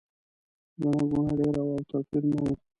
ګڼه ګوڼه ډېره وه او توپیر نه و.